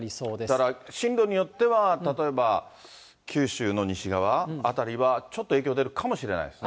だから、進路によっては、例えば九州の西側辺りは、ちょっと影響出るかもしれないですね。